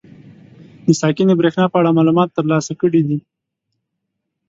د ساکنې برېښنا په اړه معلومات تر لاسه کړي دي.